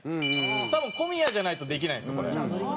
多分小宮じゃないとできないんですよこれ。